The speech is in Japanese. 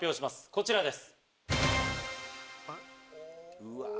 こちらです。